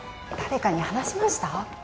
誰かに話しました？